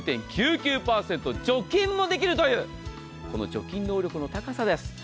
９９．９９％除菌もできるというこの除菌能力の高さです。